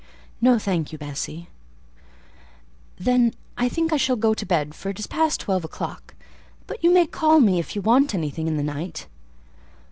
"No, thank you, Bessie." "Then I think I shall go to bed, for it is past twelve o'clock; but you may call me if you want anything in the night."